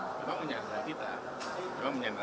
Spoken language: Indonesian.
memang menyandar kita memang menyandar kita